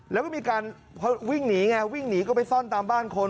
แล้วก็มีการพอวิ่งหนีไงวิ่งหนีก็ไปซ่อนตามบ้านคน